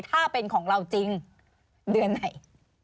ถ้าเป็นของเราจริงเดือนไหน